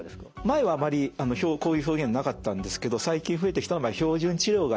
前はあまりこういう表現なかったんですけど最近増えてきたまあ標準治療がいいと。